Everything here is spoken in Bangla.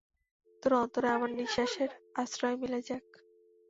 তোর অন্তরে আমার নিঃশ্বাসের আশ্রয় মিলে যাক।